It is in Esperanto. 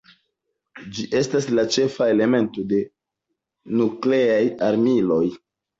Ĝi estas la ĉefa elemento de nukleaj armiloj.